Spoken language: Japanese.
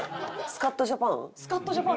『スカッとジャパン』でした。